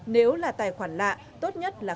nếu là tài khoản lạ tốt nhất là không bị lừa đảo